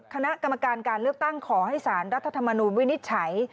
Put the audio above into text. คณะกรรมการการเลือกตั้งขอให้สารรัฐธรรมนูลวินิจฉัย